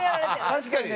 確かに。